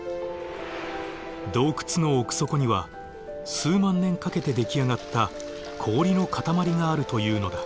洞窟の奥底には数万年かけて出来上がった氷の塊があるというのだ。